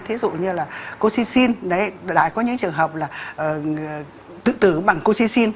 thí dụ như là coccicin đấy đã có những trường hợp là tự tử bằng coccicin